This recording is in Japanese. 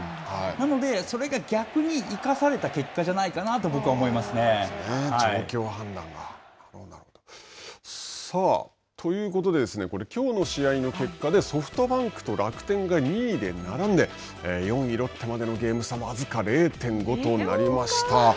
なので、それが逆に生かされた結状況判断が。ということで、きょうの試合の結果で、ソフトバンクと楽天が２位で並んで、４位ロッテまでのゲーム差、僅か０．５となりました。